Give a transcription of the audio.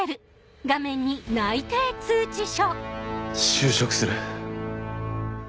就職する。